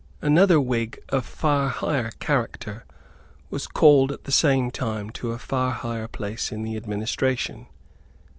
Another Whig of far higher character was called at the same time to a far higher place in the administration.